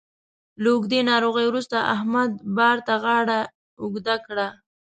له اوږدې ناروغۍ وروسته احمد بار ته غاړه اوږده کړه